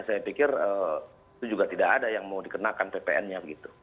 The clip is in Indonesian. saya pikir itu juga tidak ada yang mau dikenakan ppn nya begitu